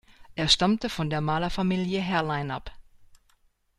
Er stammte von der Malerfamilie Herrlein ab.